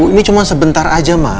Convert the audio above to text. ini cuma sebentar aja mas